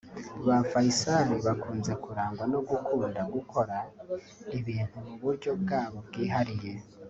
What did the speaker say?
Ba Faysal bakunze kurangwa no gukunda gukora ibintu mu buryo bwabo bwihariye